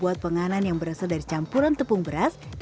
lihatlah malam ini b cess population mengolah waspada td ng corpo aldo